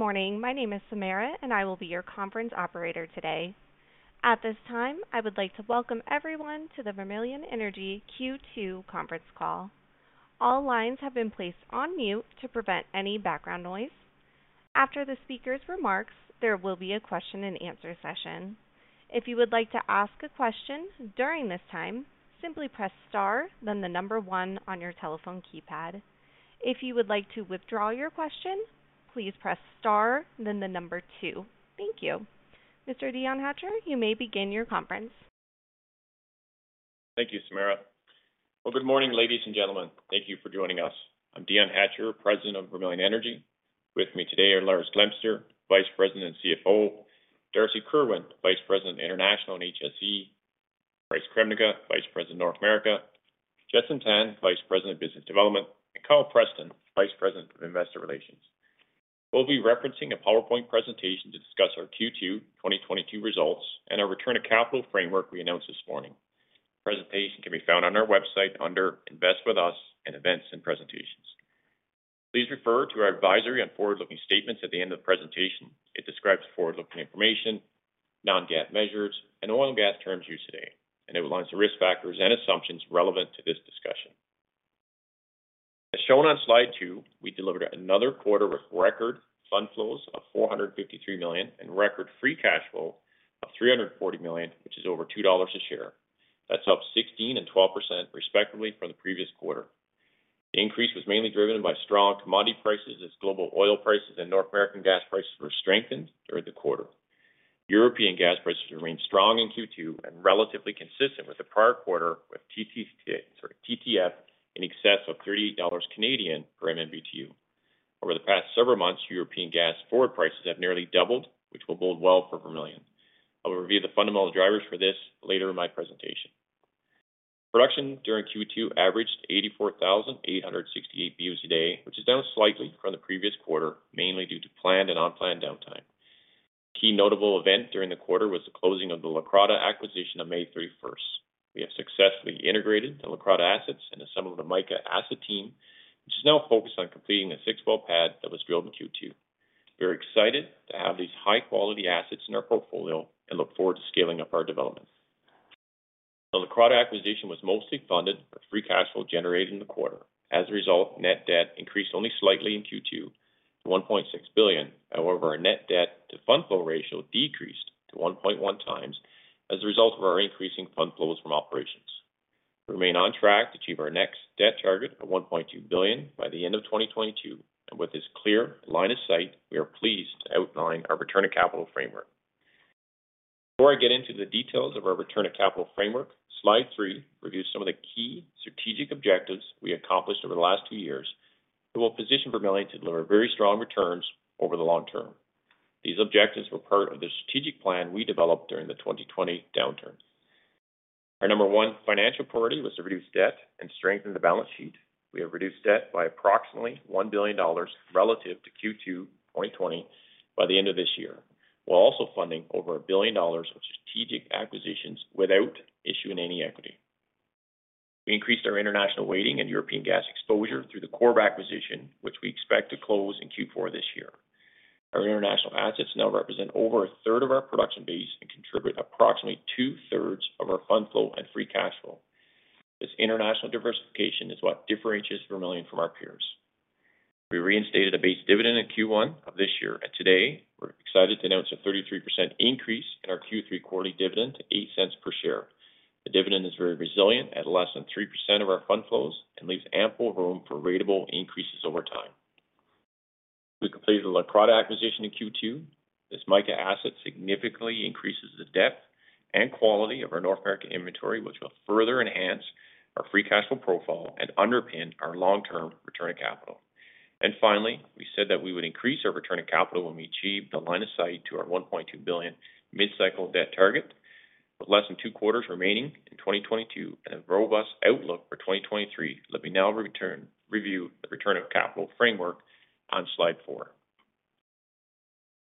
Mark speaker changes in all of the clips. Speaker 1: Good morning. My name is Samara, and I will be your conference operator today. At this time, I would like to welcome everyone to the Vermilion Energy Q2 conference call. All lines have been placed on mute to prevent any background noise. After the speaker's remarks, there will be a question and answer session. If you would like to ask a question during this time, simply press star then the number one on your telephone keypad. If you would like to withdraw your question, please press star then the number two. Thank you. Mr. Dion Hatcher, you may begin your conference.
Speaker 2: Thank you, Samara. Well, good morning, ladies and gentlemen. Thank you for joining us. I'm Dion Hatcher, President of Vermilion Energy. With me today are Lars Glemser, Vice President and CFO, Darcy Kirwan, Vice President, International and HSE, Bryce Krempien, Vice President, North America, Jenson Tan, Vice President of Business Development, and Kyle Preston, Vice President of Investor Relations. We'll be referencing a PowerPoint presentation to discuss our Q2 2022 results and our return of capital framework we announced this morning. Presentation can be found on our website under Invest With Us and Events and Presentations. Please refer to our advisory on forward-looking statements at the end of the presentation. It describes forward-looking information, non-GAAP measures, and oil and gas terms used today, and it outlines the risk factors and assumptions relevant to this discussion. As shown on slide two, we delivered another quarter with record fund flows of 453 million and record free cash flow of 340 million, which is over 2 dollars a share. That's up 16% and 12% respectively from the previous quarter. The increase was mainly driven by strong commodity prices as global oil prices and North American gas prices were strengthened during the quarter. European gas prices remained strong in Q2 and relatively consistent with the prior quarter with TTF in excess of 38 Canadian dollars per MMBtu. Over the past several months, European gas forward prices have nearly doubled, which will bode well for Vermilion. I will review the fundamental drivers for this later in my presentation. Production during Q2 averaged 84,868 boe a day, which is down slightly from the previous quarter, mainly due to planned and unplanned downtime. Key notable event during the quarter was the closing of the Leucrotta acquisition on May 31st. We have successfully integrated the Leucrotta assets and assembled the Mica asset team, which is now focused on completing the six-well pad that was drilled in Q2. We're excited to have these high-quality assets in our portfolio and look forward to scaling up our developments. The Leucrotta acquisition was mostly funded by free cash flow generated in the quarter. As a result, net debt increased only slightly in Q2 to 1.6 billion. However, our net debt to fund flow ratio decreased to 1.1 times as a result of our increasing fund flows from operations. We remain on track to achieve our next debt target of 1.2 billion by the end of 2022. With this clear line of sight, we are pleased to outline our return of capital framework. Before I get into the details of our return of capital framework, slide three reviews some of the key strategic objectives we accomplished over the last two years that will position Vermilion to deliver very strong returns over the long term. These objectives were part of the strategic plan we developed during the 2020 downturn. Our number one financial priority was to reduce debt and strengthen the balance sheet. We have reduced debt by approximately 1 billion dollars relative to Q2 2020 by the end of this year, while also funding over 1 billion dollars of strategic acquisitions without issuing any equity. We increased our international weighting and European gas exposure through the Corrib acquisition, which we expect to close in Q4 this year. Our international assets now represent over a third of our production base and contribute approximately two-thirds of our fund flow and free cash flow. This international diversification is what differentiates Vermilion from our peers. We reinstated a base dividend in Q1 of this year, and today we're excited to announce a 33% increase in our Q3 quarterly dividend to 0.08 Per share. The dividend is very resilient at less than 3% of our fund flows and leaves ample room for ratable increases over time. We completed the Leucrotta acquisition in Q2. This Mica asset significantly increases the depth and quality of our North American inventory, which will further enhance our free cash flow profile and underpin our long-term return of capital. Finally, we said that we would increase our return of capital when we achieved a line of sight to our 1.2 billion mid-cycle debt target. With less than two quarters remaining in 2022 and a robust outlook for 2023, let me now review the return of capital framework on slide four.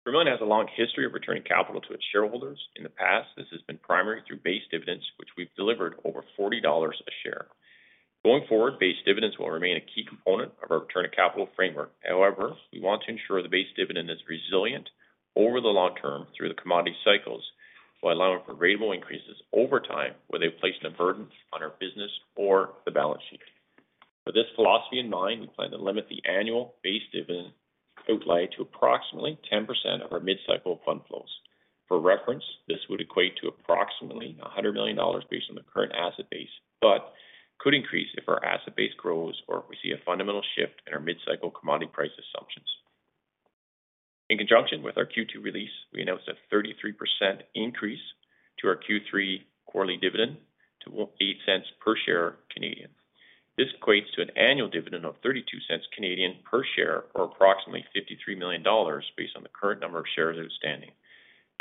Speaker 2: Vermilion has a long history of returning capital to its shareholders. In the past, this has been primarily through base dividends, which we've delivered over 40 dollars a share. Going forward, base dividends will remain a key component of our return of capital framework. However, we want to ensure the base dividend is resilient over the long term through the commodity cycles while allowing for ratable increases over time without placing a burden on our business or the balance sheet. With this philosophy in mind, we plan to limit the annual base dividend outlay to approximately 10% of our mid-cycle fund flows. For reference, this would equate to approximately 100 million dollars based on the current asset base, but could increase if our asset base grows or if we see a fundamental shift in our mid-cycle commodity price assumptions. In conjunction with our Q2 release, we announced a 33% increase to our Q3 quarterly dividend to 0.08 per share. This equates to an annual dividend of 0.32 per share or approximately 53 million dollars based on the current number of shares outstanding.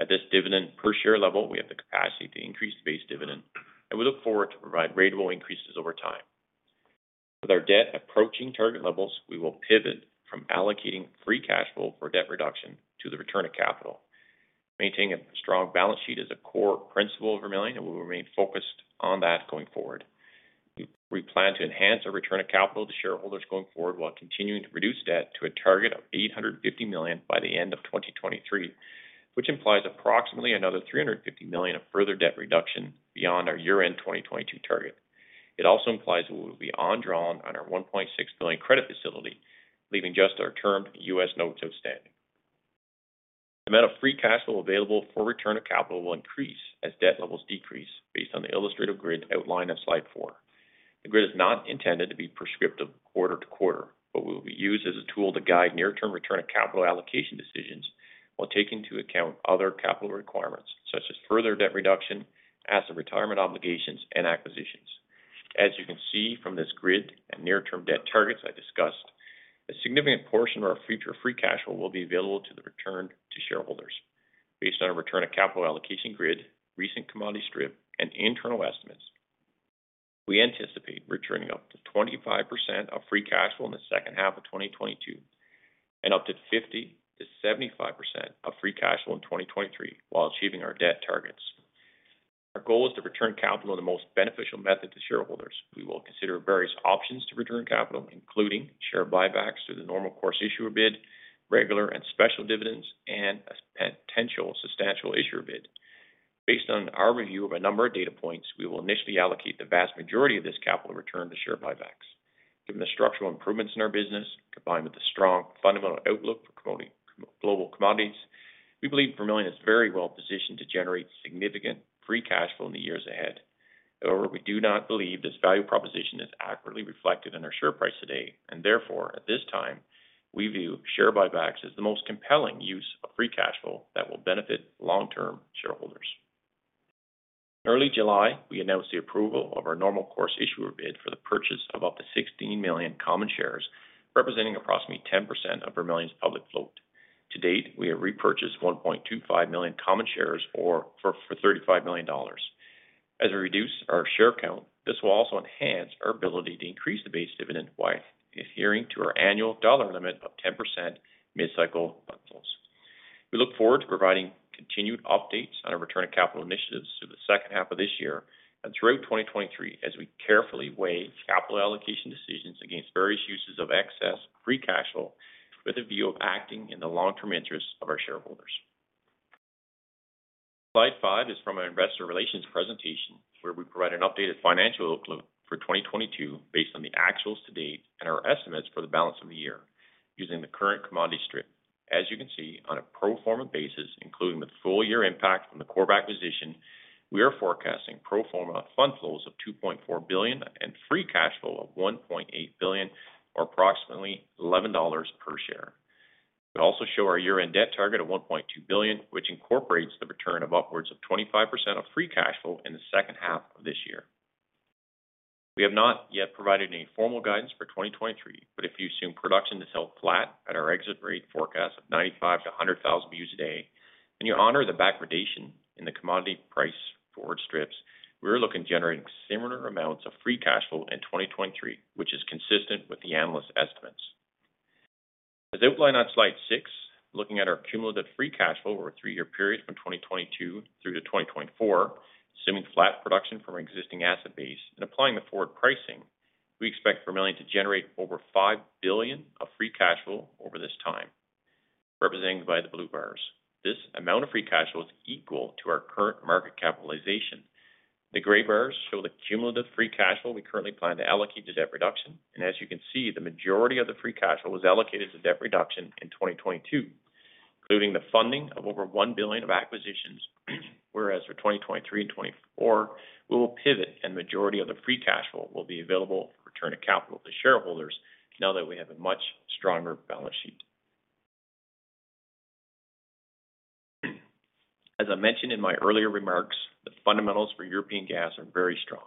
Speaker 2: At this dividend per share level, we have the capacity to increase the base dividend, and we look forward to providing ratable increases over time. With our debt approaching target levels, we will pivot from allocating free cash flow for debt reduction to the return of capital. Maintaining a strong balance sheet is a core principle of Vermilion, and we'll remain focused on that going forward. We plan to enhance our return of capital to shareholders going forward while continuing to reduce debt to a target of 850 million by the end of 2023, which implies approximately another 350 million of further debt reduction beyond our year-end 2022 target. It also implies that we will be undrawn on our 1.6 billion credit facility, leaving just our term U.S. notes outstanding. The amount of free cash flow available for return of capital will increase as debt levels decrease based on the illustrative grid outlined on slide four. The grid is not intended to be prescriptive quarter to quarter, but will be used as a tool to guide near-term return of capital allocation decisions while taking into account other capital requirements such as further debt reduction, asset retirement obligations, and acquisitions. As you can see from this grid and near-term debt targets I discussed, a significant portion of our future free cash flow will be available to the return to shareholders. Based on a return of capital allocation grid, recent commodity strip, and internal estimates, we anticipate returning up to 25% of free cash flow in the second half of 2022 and up to 50%-75% of free cash flow in 2023 while achieving our debt targets. Our goal is to return capital in the most beneficial method to shareholders. We will consider various options to return capital, including share buybacks through the Normal Course Issuer Bid, regular and special dividends, and a potential Substantial Issuer Bid. Based on our review of a number of data points, we will initially allocate the vast majority of this capital return to share buybacks. Given the structural improvements in our business, combined with the strong fundamental outlook for commodities, global commodities, we believe Vermilion is very well positioned to generate significant free cash flow in the years ahead. However, we do not believe this value proposition is accurately reflected in our share price today, and therefore, at this time, we view share buybacks as the most compelling use of free cash flow that will benefit long-term shareholders. In early July, we announced the approval of our Normal Course Issuer Bid for the purchase of up to 16 million common shares, representing approximately 10% of Vermilion's public float. To date, we have repurchased 1.25 million common shares for 35 million dollars. As we reduce our share count, this will also enhance our ability to increase the base dividend while adhering to our annual CAD limit of 10% mid-cycle fund flows. We look forward to providing continued updates on our return of capital initiatives through the second half of this year and throughout 2023 as we carefully weigh capital allocation decisions against various uses of excess free cash flow with a view of acting in the long-term interests of our shareholders. Slide five is from our investor relations presentation, where we provide an updated financial outlook for 2022 based on the actuals to date and our estimates for the balance of the year using the current commodity strip. As you can see, on a pro forma basis, including the full year impact from the Corrib acquisition, we are forecasting pro forma fund flows of 2.4 billion and free cash flow of 1.8 billion, or approximately 11 dollars per share. We also show our year-end debt target of 1.2 billion, which incorporates the return of upwards of 25% of free cash flow in the second half of this year. We have not yet provided any formal guidance for 2023, but if you assume production is held flat at our exit rate forecast of 95,000-100,000 BOE a day, and you honor the backwardation in the commodity price forward strips, we are looking at generating similar amounts of free cash flow in 2023, which is consistent with the analyst estimates. As outlined on slide six, looking at our cumulative free cash flow over a three-year period from 2022 through to 2024, assuming flat production from our existing asset base and applying the forward pricing, we expect Vermilion to generate over 5 billion of free cash flow over this time, represented by the blue bars. This amount of free cash flow is equal to our current market capitalization. The gray bars show the cumulative free cash flow we currently plan to allocate to debt reduction. As you can see, the majority of the free cash flow was allocated to debt reduction in 2022, including the funding of over 1 billion of acquisitions, whereas for 2023 and 2024, we will pivot, and majority of the free cash flow will be available for return of capital to shareholders now that we have a much stronger balance sheet. As I mentioned in my earlier remarks, the fundamentals for European gas are very strong.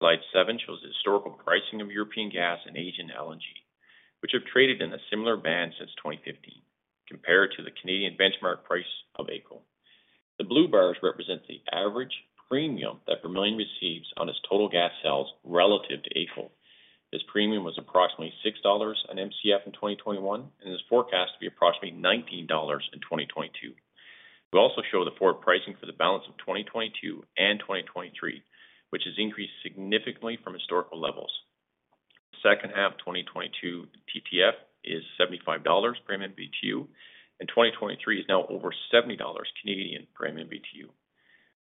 Speaker 2: Slide 7 shows the historical pricing of European gas and Asian LNG, which have traded in a similar band since 2015, compared to the Canadian benchmark price of AECO. The blue bars represent the average premium that Vermilion receives on its total gas sales relative to AECO. This premium was approximately 6 dollars per Mcf in 2021 and is forecast to be approximately 19 dollars in 2022. We also show the forward pricing for the balance of 2022 and 2023, which has increased significantly from historical levels. Second half 2022 TTF is 75 dollars per MMBtu, and 2023 is now over 70 Canadian dollars per MMBtu.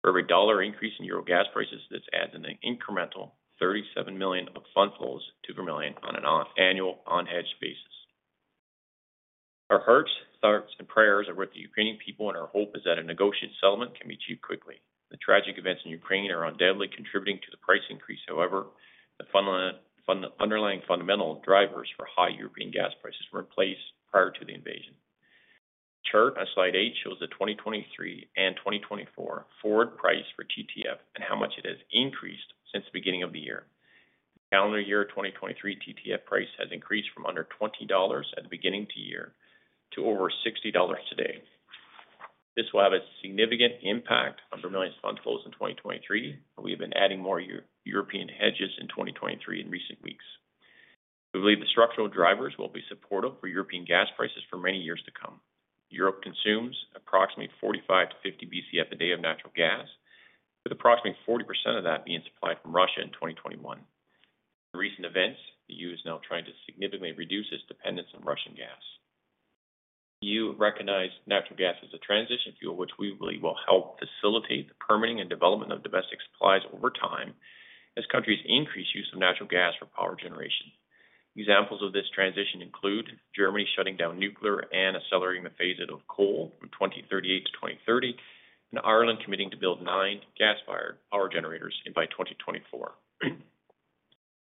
Speaker 2: For every dollar increase in euro gas prices, this adds in an incremental 37 million of fund flows to Vermilion on an annual unhedged basis. Our hearts, thoughts, and prayers are with the Ukrainian people, and our hope is that a negotiated settlement can be achieved quickly. The tragic events in Ukraine are undoubtedly contributing to the price increase. However, the underlying fundamental drivers for high European gas prices were in place prior to the invasion. The chart on slide eight shows the 2023 and 2024 forward price for TTF and how much it has increased since the beginning of the year. Calendar year 2023 TTF price has increased from under 20 dollars at the beginning of the year to over 60 dollars today. This will have a significant impact on Vermilion's fund flows in 2023, and we have been adding more European hedges in 2023 in recent weeks. We believe the structural drivers will be supportive for European gas prices for many years to come. Europe consumes approximately 45-50 Bcf a day of natural gas, with approximately 40% of that being supplied from Russia in 2021. In recent events, the E.U. Is now trying to significantly reduce its dependence on Russian gas. E.U. Recognized natural gas as a transition fuel, which we believe will help facilitate the permitting and development of domestic supplies over time as countries increase use of natural gas for power generation. Examples of this transition include Germany shutting down nuclear and accelerating the phase out of coal from 2038-2030, and Ireland committing to build nine gas-fired power generators by 2024.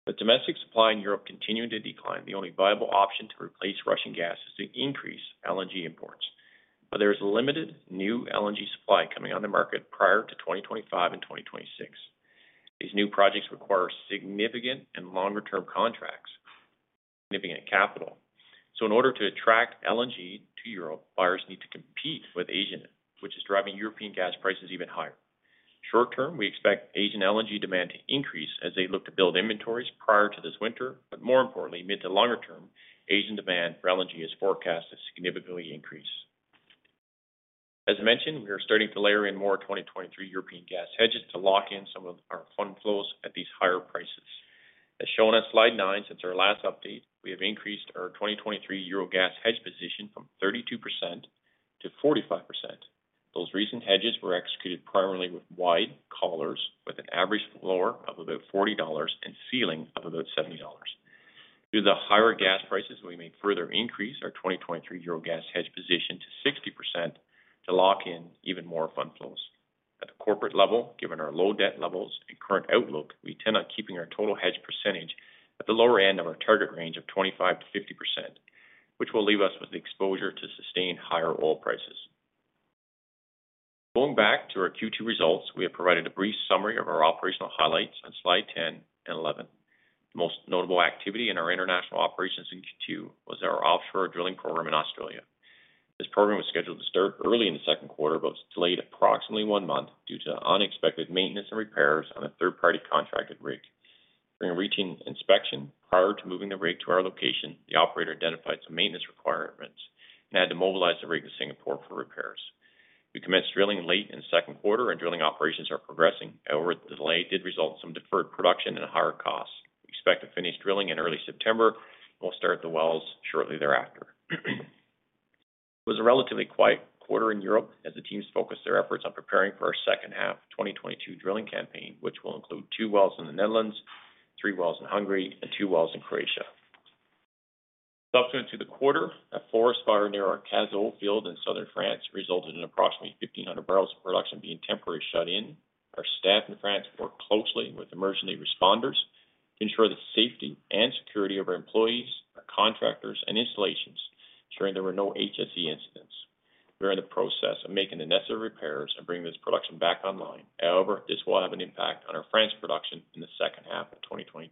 Speaker 2: With domestic supply in Europe continuing to decline, the only viable option to replace Russian gas is to increase LNG imports. There is limited new LNG supply coming on the market prior to 2025 and 2026. These new projects require significant and longer-term contracts, significant capital. In order to attract LNG to Europe, buyers need to compete with Asia, which is driving European gas prices even higher. Short term, we expect Asian LNG demand to increase as they look to build inventories prior to this winter. More importantly, mid to longer term, Asian demand for LNG is forecast to significantly increase. As mentioned, we are starting to layer in more 2023 European gas hedges to lock in some of our fund flows at these higher prices. As shown on slide nine, since our last update, we have increased our 2023 Euro gas hedge position from 32%-45%. Those recent hedges were executed primarily with wide collars, with an average floor of about 40 dollars and ceiling of about 70 dollars. Due to the higher gas prices, we may further increase our 2023 Euro gas hedge position to 60% to lock in even more fund flows. At the corporate level, given our low debt levels and current outlook, we intend on keeping our total hedge percentage at the lower end of our target range of 25%-50%, which will leave us with exposure to sustained higher oil prices. Going back to our Q2 results, we have provided a brief summary of our operational highlights on slide 10 and 11. The most notable activity in our international operations in Q2 was at our offshore drilling program in Australia. This program was scheduled to start early in the second quarter, but was delayed approximately one month due to unexpected maintenance and repairs on a third-party contracted rig. During a routine inspection prior to moving the rig to our location, the operator identified some maintenance requirements and had to mobilize the rig to Singapore for repairs. We commenced drilling late in the second quarter, and drilling operations are progressing. However, the delay did result in some deferred production and higher costs. We expect to finish drilling in early September and we'll start the wells shortly thereafter. It was a relatively quiet quarter in Europe as the teams focused their efforts on preparing for our second half of 2022 drilling campaign, which will include two wells in the Netherlands, three wells in Hungary, and two wells in Croatia. Subsequent to the quarter, a forest fire near our Cazaux field in southern France resulted in approximately 1,500 bbls of production being temporarily shut in. Our staff in France worked closely with emergency responders to ensure the safety and security of our employees, our contractors, and installations, ensuring there were no HSE incidents. We are in the process of making the necessary repairs and bringing this production back online. However, this will have an impact on our France production in the second half of 2022.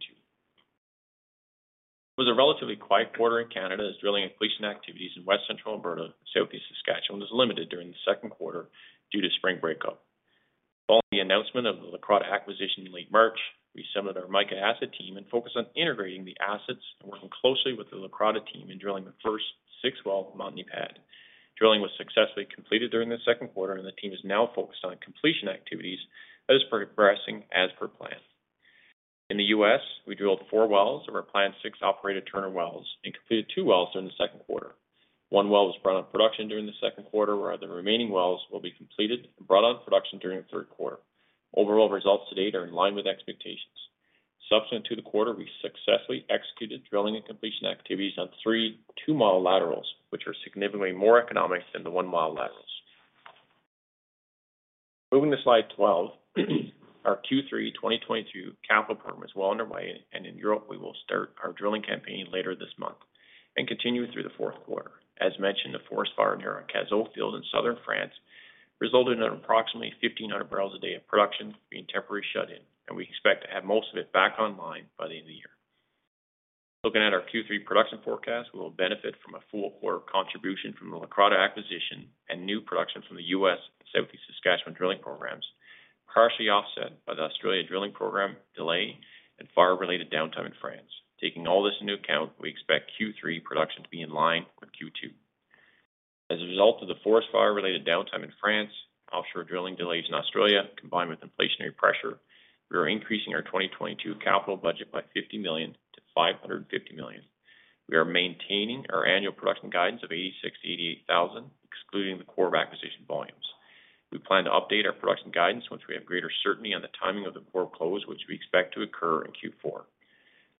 Speaker 2: It was a relatively quiet quarter in Canada as drilling and completion activities in West Central Alberta, Southeast Saskatchewan was limited during the second quarter due to spring breakup. Following the announcement of the Leucrotta acquisition in late March, we assembled our Mica asset team and focused on integrating the assets and working closely with the Leucrotta team in drilling the first 6-well Montney pad. Drilling was successfully completed during the second quarter, and the team is now focused on completion activities that is progressing as per plan. In the U.S., we drilled four wells of our planned six operated Turner wells and completed two wells during the second quarter. One well was brought on production during the second quarter, while the remaining wells will be completed and brought on production during the third quarter. Overall results to date are in line with expectations. Subsequent to the quarter, we successfully executed drilling and completion activities on three 2 mi laterals, which are significantly more economic than the one-mile laterals. Moving to slide 12, our Q3 2022 capital program is well underway. In Europe, we will start our drilling campaign later this month and continue through the fourth quarter. As mentioned, the forest fire near our Cazaux field in southern France resulted in approximately 1,500 bbls a day of production being temporarily shut in, and we expect to have most of it back online by the end of the year. Looking at our Q3 production forecast, we will benefit from a full quarter contribution from the Leucrotta acquisition and new production from the U.S. and Southeast Saskatchewan drilling programs, partially offset by the Australia drilling program delay and fire-related downtime in France. Taking all this into account, we expect Q3 production to be in line with Q2. As a result of the forest fire-related downtime in France, offshore drilling delays in Australia, combined with inflationary pressure, we are increasing our 2022 capital budget by 50 million to 550 million. We are maintaining our annual production guidance of 86,000-88,000, excluding the Corrib acquisition volumes. We plan to update our production guidance once we have greater certainty on the timing of the Corrib close, which we expect to occur in Q4.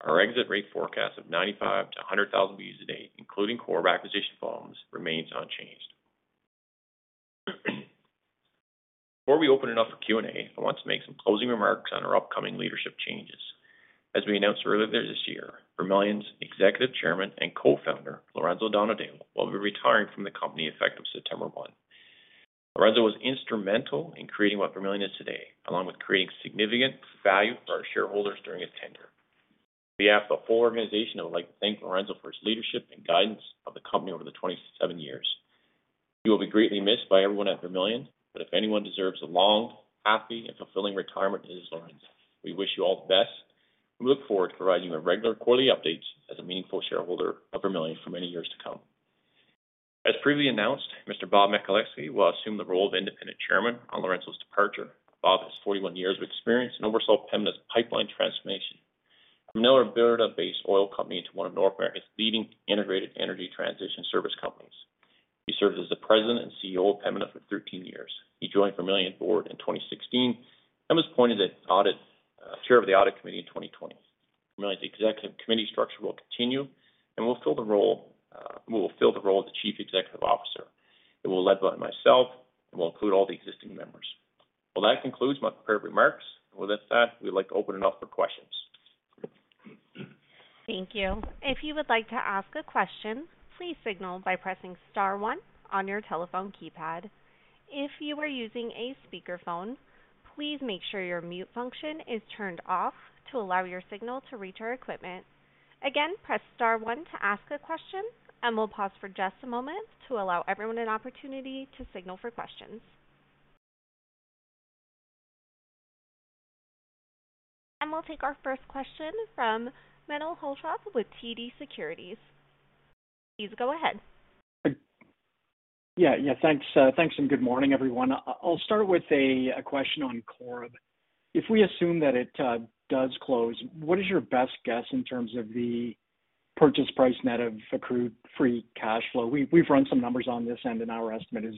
Speaker 2: Our exit rate forecast of 95,000-100,000 BOEs a day, including Corrib acquisition volumes, remains unchanged. Before we open it up for Q&A, I want to make some closing remarks on our upcoming leadership changes. As we announced earlier this year, Vermilion's Executive Chairman and Co-founder, Lorenzo Donadeo, will be retiring from the company effective September 1st. Lorenzo was instrumental in creating what Vermilion is today, along with creating significant value for our shareholders during his tenure. On behalf of the whole organization, I would like to thank Lorenzo for his leadership and guidance of the company over the 27 years. You will be greatly missed by everyone at Vermilion, but if anyone deserves a long, happy and fulfilling retirement, it is Lorenzo. We wish you all the best. We look forward to providing you with regular quarterly updates as a meaningful shareholder of Vermilion for many years to come. As previously announced, Mr. Bob Michaleski will assume the role of independent chairman on Lorenzo's departure. Bob has 41 years of experience and oversaw Pembina's pipeline transformation from an Alberta-based oil company to one of North America's leading integrated energy transition service companies. He served as the President and CEO of Pembina for 13 years. He joined Vermilion board in 2016 and was appointed as audit chair of the audit committee in 2020. Vermilion's executive committee structure will continue and will fill the role of the Chief Executive Officer. It will be led by myself and will include all the existing members. Well, that concludes my prepared remarks. With that said, we'd like to open it up for questions.
Speaker 1: Thank you. If you would like to ask a question, please signal by pressing star one on your telephone keypad. If you are using a speaker phone, please make sure your mute function is turned off to allow your signal to reach our equipment. Again, press star one to ask a question, and we'll pause for just a moment to allow everyone an opportunity to signal for questions. We'll take our first question from Menno Hulshof with TD Securities. Please go ahead.
Speaker 3: Yeah. Thanks, and good morning, everyone. I'll start with a question on Corrib. If we assume that it does close, what is your best guess in terms of the purchase price net of accrued free cash flow? We've run some numbers on this, and our estimate is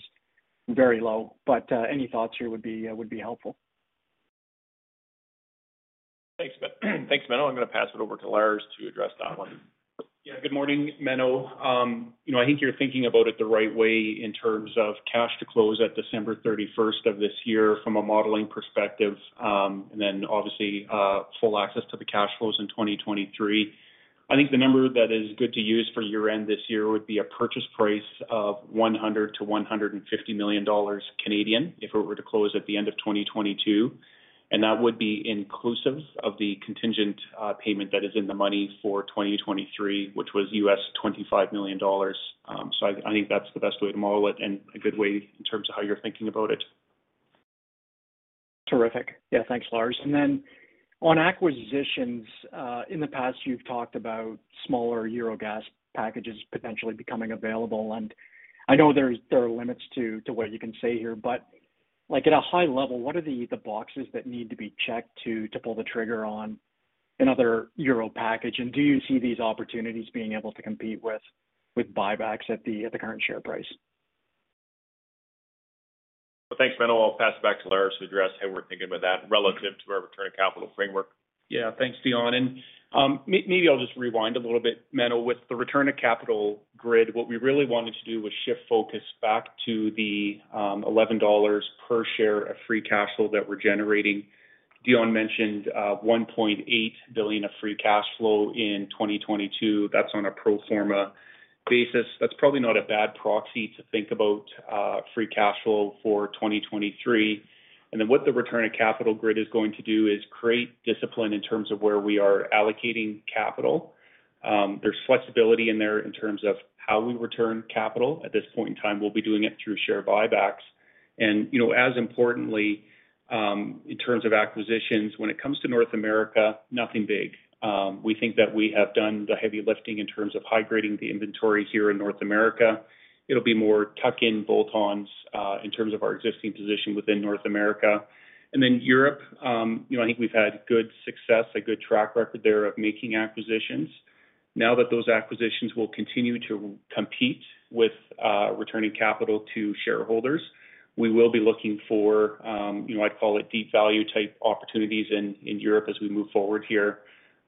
Speaker 3: very low, but any thoughts here would be helpful.
Speaker 2: Thanks, Menno. Thanks, Menno. I'm gonna pass it over to Lars to address that one.
Speaker 4: Yeah. Good morning, Menno. You know, I think you're thinking about it the right way in terms of cash to close at December 31st of this year from a modeling perspective, and then obviously full access to the cash flows in 2023. I think the number that is good to use for year-end this year would be a purchase price of 100 million-150 million dollars if it were to close at the end of 2022, and that would be inclusive of the contingent payment that is in the money for 2023, which was $25 million. I think that's the best way to model it and a good way in terms of how you're thinking about it.
Speaker 3: Terrific. Yeah, thanks, Lars. On acquisitions, in the past, you've talked about smaller Eurogas packages potentially becoming available. I know there are limits to what you can say here, but like, at a high level, what are the boxes that need to be checked to pull the trigger on another Euro package? Do you see these opportunities being able to compete with buybacks at the current share price?
Speaker 2: Thanks, Menno. I'll pass it back to Lars to address how we're thinking with that relative to our return of capital framework.
Speaker 4: Yeah. Thanks, Dion. Maybe I'll just rewind a little bit, Menno. With the return of capital grid, what we really wanted to do was shift focus back to the 11 dollars per share of free cash flow that we're generating. Dion mentioned 1.8 billion of free cash flow in 2022. That's on a pro forma basis. That's probably not a bad proxy to think about free cash flow for 2023. What the return of capital grid is going to do is create discipline in terms of where we are allocating capital. There's flexibility in there in terms of how we return capital. At this point in time, we'll be doing it through share buybacks. You know, as importantly, in terms of acquisitions, when it comes to North America, nothing big. We think that we have done the heavy lifting in terms of high-grading the inventory here in North America. It'll be more tuck-in bolt-ons in terms of our existing position within North America. Europe, you know, I think we've had good success, a good track record there of making acquisitions. Now that those acquisitions will continue to compete with returning capital to shareholders, we will be looking for, you know, I'd call it deep value type opportunities in Europe as we move forward here.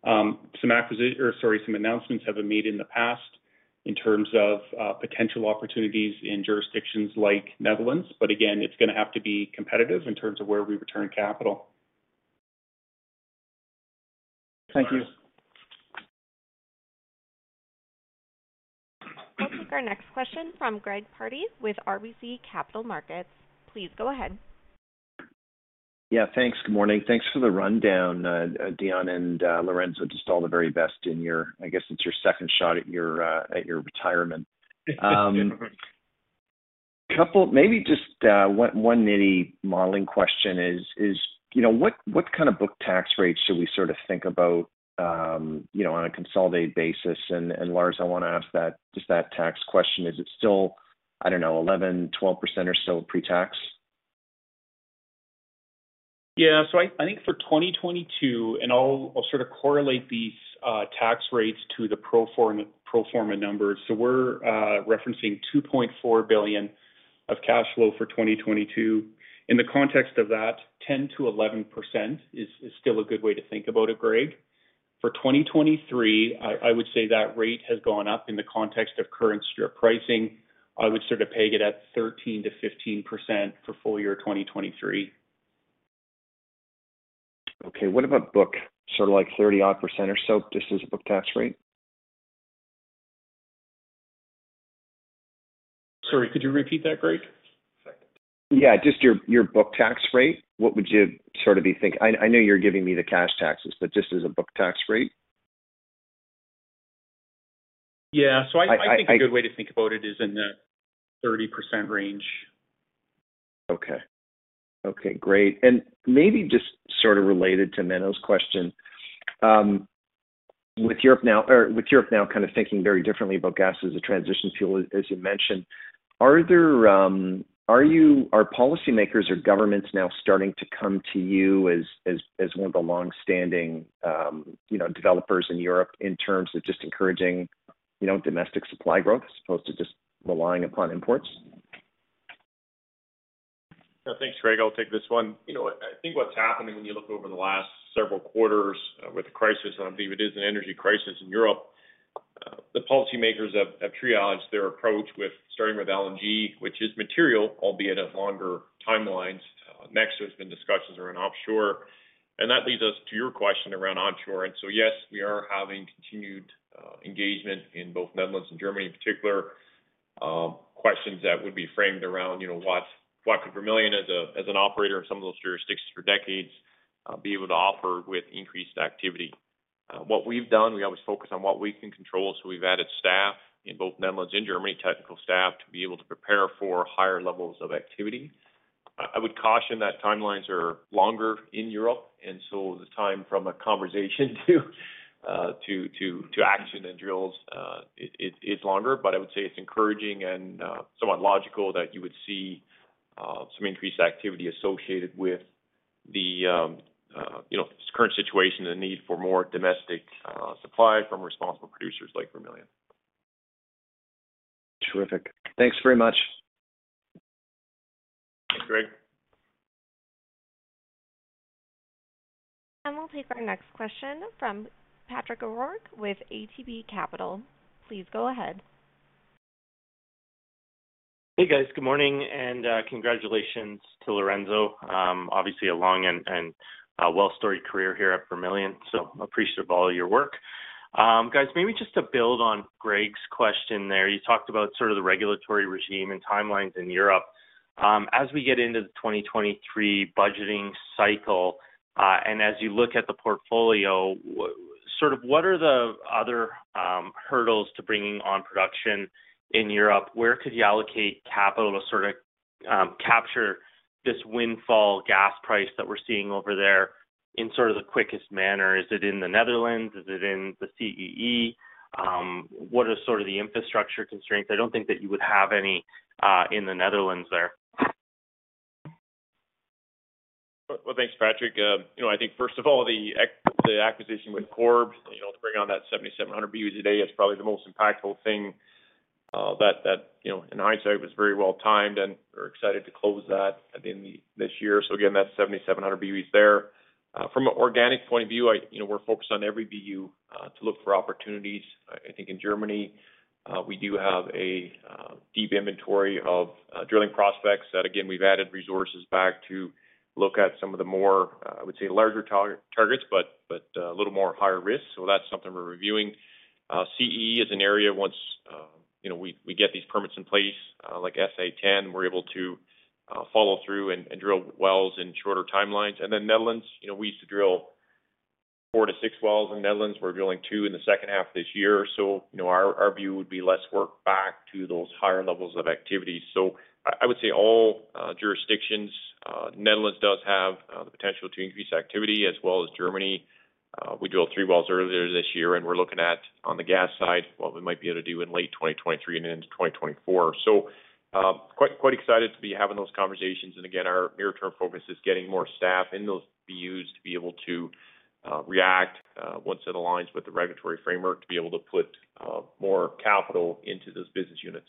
Speaker 4: Some announcements have been made in the past in terms of potential opportunities in jurisdictions like Netherlands. Again, it's gonna have to be competitive in terms of where we return capital.
Speaker 3: Thank you.
Speaker 1: I'll take our next question from Greg Pardy with RBC Capital Markets. Please go ahead.
Speaker 5: Yeah, thanks. Good morning. Thanks for the rundown, Dion and Lorenzo. Just all the very best in your, I guess, it's your second shot at your retirement. Maybe just one nitty modeling question is, you know, what kind of book tax rate should we sort of think about, you know, on a consolidated basis? Lars, I wanna ask that, just that tax question. Is it still, I don't know, 11%-12% or so pre-tax?
Speaker 4: Yeah. I think for 2022, and I'll sort of correlate these tax rates to the pro forma numbers. We're referencing 2.4 billion of cash flow for 2022. In the context of that, 10%-11% is still a good way to think about it, Greg. For 2023, I would say that rate has gone up in the context of current strip pricing. I would sort of peg it at 13%-15% for full year 2023.
Speaker 5: Okay. What about book, sort of like 30% odd or so just as a book tax rate?
Speaker 4: Sorry, could you repeat that, Greg?
Speaker 5: Yeah, just your book tax rate. I know you're giving me the cash taxes, but just as a book tax rate.
Speaker 4: I think a good way to think about it is in the 30% range.
Speaker 5: Okay. Okay, great. Maybe just sort of related to Menno's question, with Europe now kind of thinking very differently about gas as a transition fuel, as you mentioned, are policymakers or governments now starting to come to you as one of the long-standing, you know, developers in Europe in terms of just encouraging, you know, domestic supply growth as opposed to just relying upon imports?
Speaker 2: Yeah. Thanks, Greg. I'll take this one. You know what? I think what's happening when you look over the last several quarters with the crisis, and I believe it is an energy crisis in Europe, the policymakers have triaged their approach with starting with LNG, which is material, albeit of longer timelines. Next there's been discussions around offshore, and that leads us to your question around onshore. Yes, we are having continued engagement in both Netherlands and Germany in particular, questions that would be framed around, you know, what could Vermilion as an operator in some of those jurisdictions for decades be able to offer with increased activity. What we've done, we always focus on what we can control, so we've added staff in both Netherlands and Germany, technical staff, to be able to prepare for higher levels of activity. I would caution that timelines are longer in Europe, and so the time from a conversation to action and drills is longer. I would say it's encouraging and somewhat logical that you would see some increased activity associated with the you know, current situation and need for more domestic supply from responsible producers like Vermilion.
Speaker 5: Terrific. Thanks very much.
Speaker 2: Thanks, Greg.
Speaker 1: We'll take our next question from Patrick O'Rourke with ATB Capital. Please go ahead.
Speaker 6: Hey, guys. Good morning, and congratulations to Lorenzo. Obviously a long and well storied career here at Vermilion, so appreciative of all your work. Guys, maybe just to build on Greg's question there, you talked about sort of the regulatory regime and timelines in Europe. As we get into the 2023 budgeting cycle, and as you look at the portfolio, sort of what are the other hurdles to bringing on production in Europe? Where could you allocate capital to sort of capture this windfall gas price that we're seeing over there in sort of the quickest manner? Is it in the Netherlands? Is it in the CEE? What are sort of the infrastructure constraints? I don't think that you would have any in the Netherlands there.
Speaker 2: Well, thanks, Patrick. You know, I think first of all, the acquisition with Corrib, you know, to bring on that 7,700 boe a day is probably the most impactful thing, that you know, in hindsight, was very well timed, and we're excited to close that at the end of this year. So again, that's 7,700 boe there. From an organic point of view, I you know, we're focused on every boe to look for opportunities. I think in Germany, we do have a deep inventory of drilling prospects that, again, we've added resources back to look at some of the more, I would say, larger targets, but a little more higher risk. So that's something we're reviewing. CEE is an area once you know we get these permits in place like SA-10 we're able to follow through and drill wells in shorter timelines. Netherlands you know we used to drill four to six wells in Netherlands. We're drilling two in the second half of this year. You know our view would be less work back to those higher levels of activity. I would say all jurisdictions Netherlands does have the potential to increase activity as well as Germany. We drilled three wells earlier this year and we're looking at on the gas side what we might be able to do in late 2023 and into 2024. Quite excited to be having those conversations. Again, our near-term focus is getting more staff in those BUs to be able to react once it aligns with the regulatory framework, to be able to put more capital into those business units.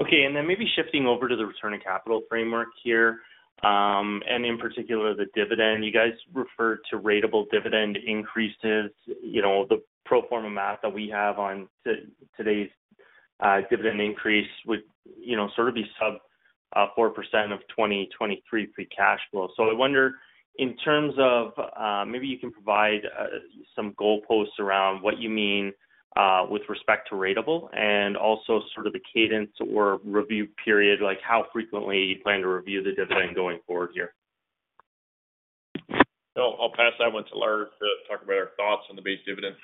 Speaker 6: Okay. Maybe shifting over to the return of capital framework here, and in particular, the dividend. You guys refer to ratable dividend increases. You know, the pro forma math that we have on today's dividend increase would, you know, sort of be sub 4% of 2023 free cash flow. I wonder in terms of. Maybe you can provide some goalposts around what you mean with respect to ratable and also sort of the cadence or review period, like how frequently you plan to review the dividend going forward here.
Speaker 2: I'll pass that one to Lars to talk about our thoughts on the base dividend.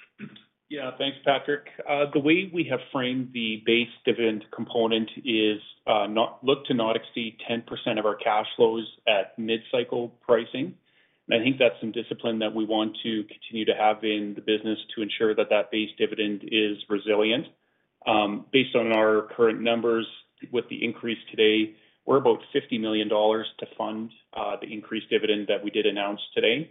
Speaker 4: Yeah. Thanks, Patrick. The way we have framed the base dividend component is not to exceed 10% of our cash flows at mid-cycle pricing. I think that's some discipline that we want to continue to have in the business to ensure that that base dividend is resilient. Based on our current numbers with the increase today, we're about 50 million dollars to fund the increased dividend that we did announce today.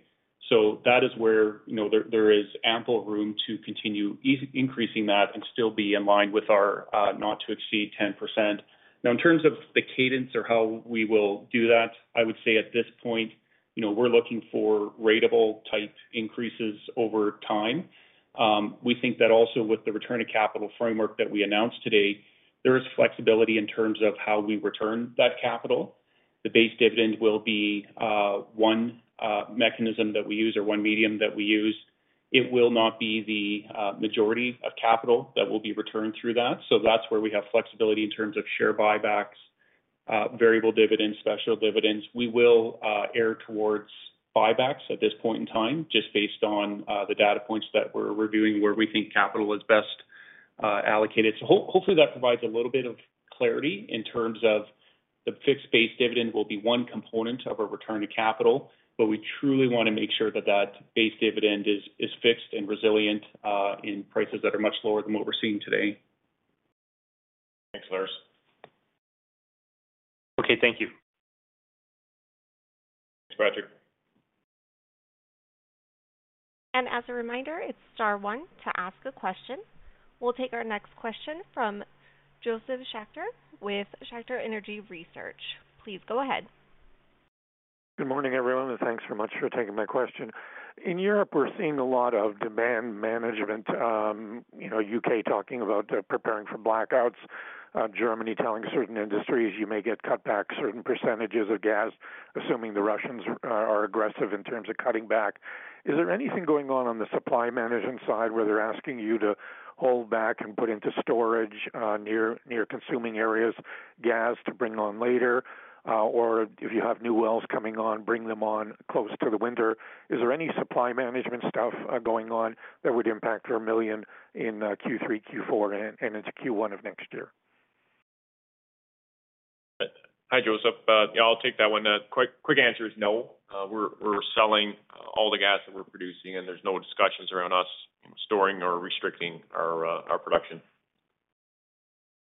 Speaker 4: That is where, you know, there is ample room to continue increasing that and still be in line with our not to exceed 10%. In terms of the cadence or how we will do that, I would say at this point, you know, we're looking for ratable type increases over time. We think that also with the return of capital framework that we announced today, there is flexibility in terms of how we return that capital. The base dividend will be one mechanism that we use or one medium that we use. It will not be the majority of capital that will be returned through that. That's where we have flexibility in terms of share buybacks, variable dividends, special dividends. We will err towards buybacks at this point in time, just based on the data points that we're reviewing, where we think capital is best allocated. Hopefully, that provides a little bit of clarity in terms of the fixed base dividend will be one component of a return to capital, but we truly wanna make sure that base dividend is fixed and resilient in prices that are much lower than what we're seeing today.
Speaker 6: Thanks, Lars.
Speaker 4: Okay. Thank you.
Speaker 2: Thanks, Patrick.
Speaker 1: As a reminder, it's star one to ask a question. We'll take our next question from Josef Schachter with Schachter Energy Research. Please go ahead.
Speaker 7: Good morning, everyone, and thanks very much for taking my question. In Europe, we're seeing a lot of demand management, you know, U.K. talking about preparing for blackouts, Germany telling certain industries you may get cut back certain percentages of gas, assuming the Russians are aggressive in terms of cutting back. Is there anything going on on the supply management side where they're asking you to hold back and put into storage, near consuming areas gas to bring on later? Or if you have new wells coming on, bring them on close to the winter. Is there any supply management stuff going on that would impact Vermilion in Q3, Q4, and into Q1 of next year?
Speaker 2: Hi, Josef. Yeah, I'll take that one. The quick answer is no. We're selling all the gas that we're producing, and there's no discussions around us storing or restricting our production.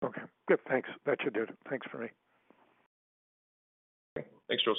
Speaker 7: Okay. Good. Thanks. That should do it. Thanks very much.
Speaker 2: Thanks, Josef.